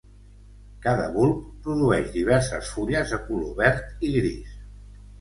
Cada bulb produeix diverses fulles de color verd i gris.